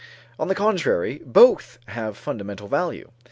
On the contrary, both have fundamental value.